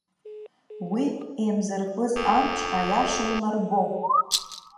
Уи еимзырпыз амч аиаша унарбом.